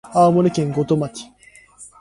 青森県五戸町